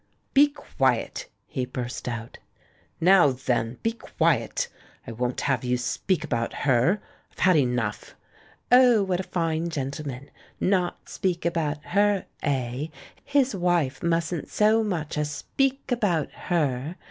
"Be quiet!" he burst out. "Now, then, be quiet! I won't have you speak about her. I've had enough!" "Oh, what a fine gentleman! Not speak about her, eh? His wife mustn't so much as speak about her!